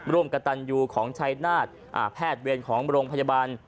ร่วมกระตันยูของชัยนาฏแพทย์เวรของโรงพยาบาล